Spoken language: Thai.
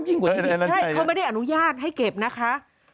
ใช่เขาไม่ได้อนุญาตให้เก็บนะคะ